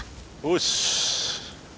よし！